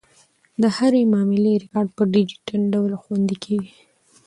د هرې معاملې ریکارډ په ډیجیټل ډول خوندي کیږي.